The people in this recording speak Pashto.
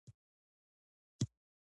ښار لوی دی.